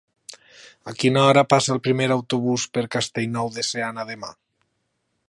A quina hora passa el primer autobús per Castellnou de Seana demà?